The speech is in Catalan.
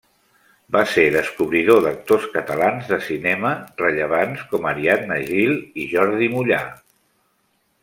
Va ser descobridor d'actors catalans de cinema rellevants com Ariadna Gil i Jordi Mollà.